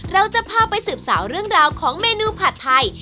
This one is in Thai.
เราจะพาไปสืบสาวเรื่องราวของเมนูผัดไทย